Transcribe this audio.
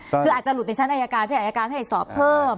คืออาจจะหลุดในชั้นอายการเช่นอายการให้สอบเพิ่ม